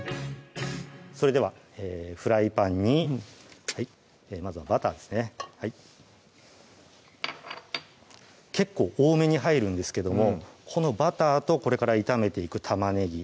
それではフライパンにまずはバターですね結構多めに入るんですけどもこのバターとこれから炒めていく玉ねぎ